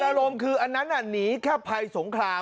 อารมณ์คืออันนั้นหนีแค่ภัยสงคราม